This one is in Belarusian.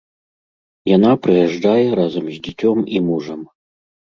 Яна прыязджае разам з дзіцём і мужам.